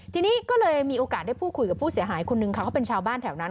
ทีนี้ก็เลยมีโอกาสได้พูดคุยกับผู้เสียหายคนนึงค่ะเขาเป็นชาวบ้านแถวนั้น